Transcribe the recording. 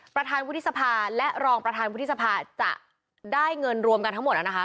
ประธานวุฒิสภาและรองประธานวุฒิสภาจะได้เงินรวมกันทั้งหมดนะคะ